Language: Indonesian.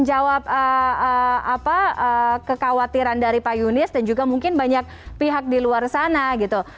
menjawab kekhawatiran dari pak yunis dan juga mungkin banyak pihak di luar sana gitu